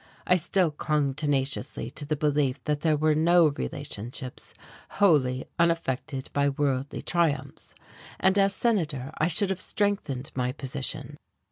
I still clung tenaciously to the belief that there were no relationships wholly unaffected by worldly triumphs, and as Senator I should have strengthened my position.